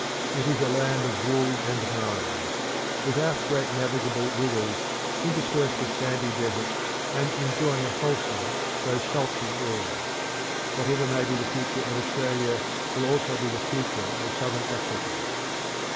It is a land of wool and mines, without great navigable rivers, interspersed with sandy deserts, and enjoying a wholesome though sultry air. Whatever may be the future of Australia will also be the future of Southern Africa.